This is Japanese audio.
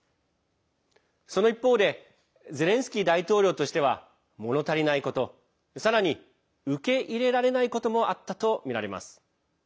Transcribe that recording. その一方でゼレンスキー大統領としてはもの足りないことさらに受け入れられないこともあったとみられます。